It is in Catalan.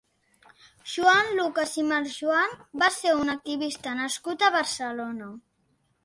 Joan Lucas i Masjoan va ser un activista nascut a Barcelona.